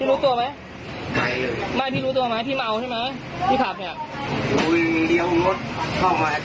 อุ้ยถี่รถจะเข้ามา